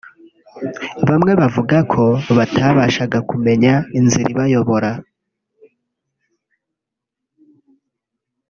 bamwe bavuga ko batabashaga kumenya inzira ibayobora